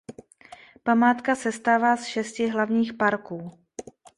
Památka sestává z šesti hlavních parků.